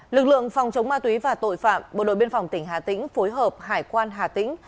lực lượng phòng chống ma túy và tội phạm bộ đội biên phòng tỉnh hà tĩnh phối hợp hải quan hà tĩnh